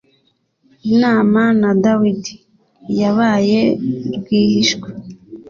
inama na Dawidi yabaye rwihishwa.